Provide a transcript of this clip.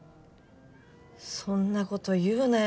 そんなこと言うなよ